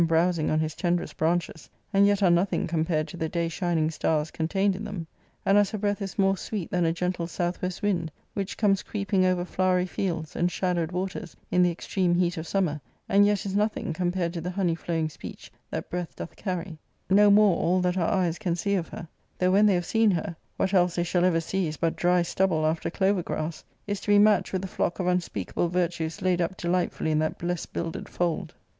browsing on his* tenderest branches, and_ y5t^rejtiothing ^^a coffipared^to the day shinihg^tars contained in tihem \ aad N as her breath is more sweet than a gentle south west wij^d, V . which comes creeping over flowery fields and shadowed waters in the extreme heat of summer, and yet is nothing compared to the honey flowing speech that breath doth carry, — no more all that our eyes can see of her — though when they have seen her, what else they shall ever see is but dry stubble after clover grass — is to be matched with the flock of unspeakable virtues laid up delightfully in that best builded fold.